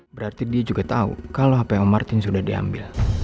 berarti dia juga tahu kalau hpo martin sudah diambil